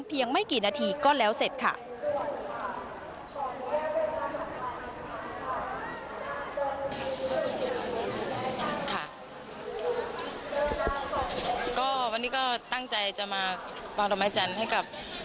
ไม่กี่นาทีก็แล้วเสร็จค่ะ